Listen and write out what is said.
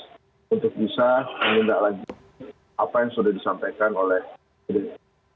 untuk bisa mendak lagi apa yang sudah disampaikan oleh pemerintah